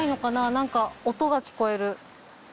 なんか音が聞こえる。